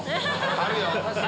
あるよ。